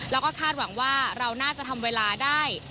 แล้วก็คาดหวังว่าเราน่าจะทำเวลาได้